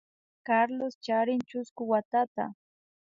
Carlos charin chusku watata